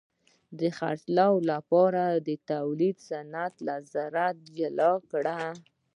د خرڅلاو لپاره تولید صنعت له زراعت جلا کړ.